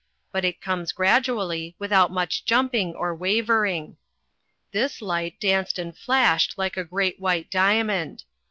But it comes gradually, without much jumping or wavering. This light danced and flashed like a great white diamond.